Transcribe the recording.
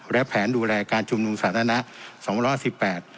และแผนดูแลการจุ่มดูมสาธารณะ๒๕๘